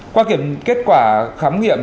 qua kiểm kết quả khám nghiệm